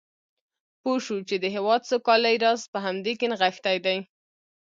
پوه شو چې د هېواد سوکالۍ راز په همدې کې نغښتی دی.